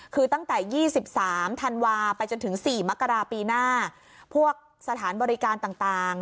คือตั้งแต่ยี่สิบสามธันวาห์ไปจนถึงสี่มกราปีหน้าพวกสถานบริการต่างต่าง